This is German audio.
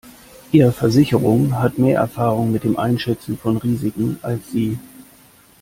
Ihre Versicherung hat mehr Erfahrung mit dem Einschätzen von Risiken als Sie.